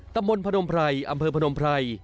ตำรวจพพอพ